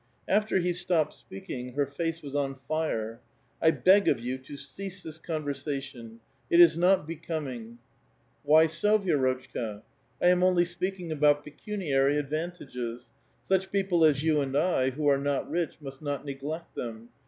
After he stopped speaking, her face was on fire. *' I beg of you to cease this conversation ; it is not be <^oming." 262 A VITAL QUESTION. ^* Why 80, Vi^rotchka? I am only speaking about peca* niary advantages ; such people as you and I, who are not rich, must not neglect them.